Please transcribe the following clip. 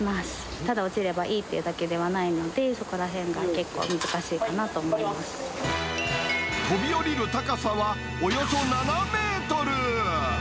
ただ、落ちればいいというだけではないので、そこらへんが結構難しいか飛び降りる高さはおよそ７メートル。